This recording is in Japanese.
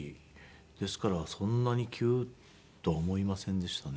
ですからそんなに急とは思いませんでしたね。